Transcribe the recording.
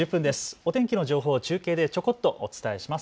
お天気の情報を中継でちょこっとお伝えします。